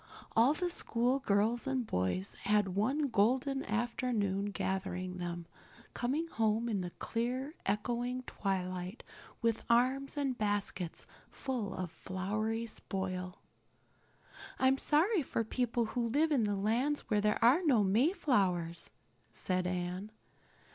All the school girls and boys had one golden afternoon gathering them, coming home in the clear, echoing twilight with arms and baskets full of flowery spoil. "I'm so sorry for people who live in lands where there are no Mayflowers," said Anne.